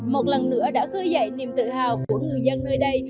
một lần nữa đã khơi dậy niềm tự hào của người dân nơi đây